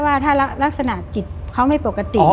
ว่าถ้ารักษณะจิตเขาไม่ปกติ